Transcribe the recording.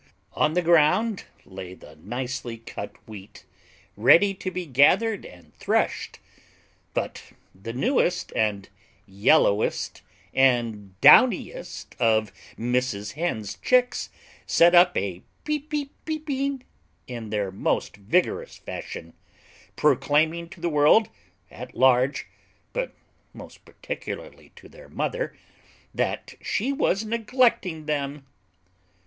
On the ground lay the nicely cut Wheat, ready to be gathered and threshed, but the newest and yellowest and downiest of Mrs. Hen's chicks set up a "peep peep peeping" in their most vigorous fashion, proclaiming to the world at large, but most particularly to their mother, that she was neglecting them.